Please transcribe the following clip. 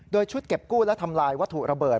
โดยชุดเก็บกู้และทำลายวัตถุระเบิด